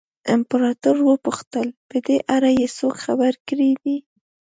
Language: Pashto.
امپراتور وپوښتل په دې اړه یې څوک خبر کړي دي.